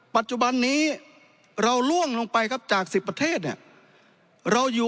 ปัจจุบันนี้เราล่วงลงไปครับจาก๑๐ประเทศเนี่ยเราอยู่